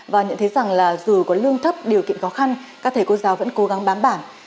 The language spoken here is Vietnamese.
và nhận thấy rằng là dù có lương thấp điều kiện khó khăn các thầy cô giáo vẫn cố gắng bám bản